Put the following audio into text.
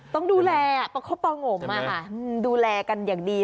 ต้องดูแลเพราะเขาเปาโง่มมาค่ะดูแลกันอย่างดี